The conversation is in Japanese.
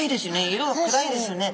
色が暗いですよね。